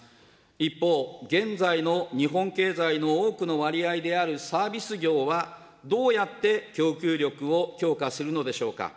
一方、現在の日本経済の多くの割合であるサービス業はどうやって供給力を強化するのでしょうか。